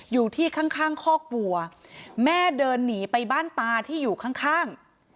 อยู่ที่ข้างข้างคอกวัวแม่เดินหนีไปบ้านตาที่อยู่ข้าง